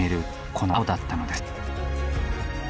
この青だったのです。